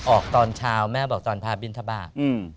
ออกตอนเช้าแม่บอกตอนพาบินทบาท